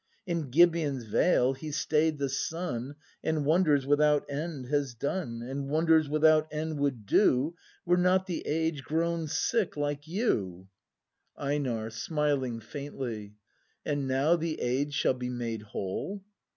In Gibeon's vale He stay'd the sun. And wonders without end has done. And wonders without end would do. Were not the age grown sick, — like you! ACT I] ' BRAND EiNAR. [Smiling faintly.] And now the age shall be made whole?